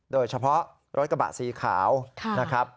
โดยเฉพาะรถกระบะสีขาวนะครับ